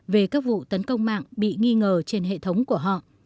về các vụ tấn công mạng bị nghi ngờ trên hệ thống của họ